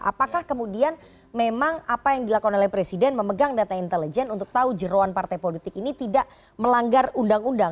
apakah kemudian memang apa yang dilakukan oleh presiden memegang data intelijen untuk tahu jeruan partai politik ini tidak melanggar undang undang